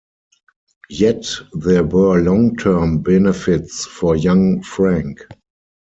Yet there were long-term benefits for young Franck.